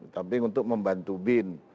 tapi untuk membantu bin